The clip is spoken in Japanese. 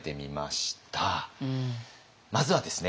まずはですね